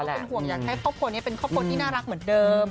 เป็นห่วงอยากให้ครอบครัวนี้เป็นครอบครัวที่น่ารักเหมือนเดิม